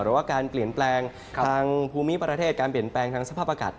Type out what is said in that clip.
หรือว่าการเปลี่ยนแปลงทางภูมิประเทศการเปลี่ยนแปลงทางสภาพอากาศ